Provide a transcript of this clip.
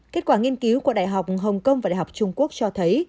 kết quả nghiên cứu của đại học hồng kông và đại học trung quốc cho thấy